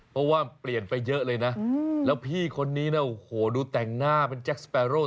เพราะว่าเปลี่ยนไปเยอะเลยนะแล้วพี่คนนี้นะโอ้โหดูแต่งหน้าเป็นแจ็คสเปโร่